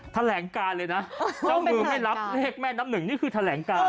แถลงการเลยนะเจ้ามือไม่รับเลขแม่น้ำหนึ่งนี่คือแถลงการ